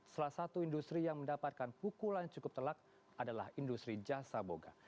salah satu industri yang mendapatkan pukulan cukup telak adalah industri jasa boga